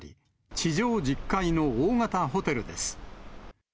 地上１０階の大型ホテルです。